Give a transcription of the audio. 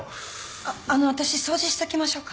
ああの私掃除しときましょうか？